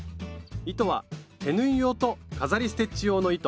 糸は手縫い用と飾りステッチ用の糸